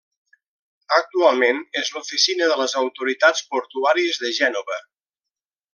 Actualment és l'oficina de les autoritats portuàries de Gènova.